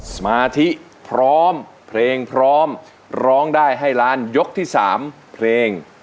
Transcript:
สมาธิพร้อมเพลงพร้อมร้องได้ให้ล้านยกที่๓เพลง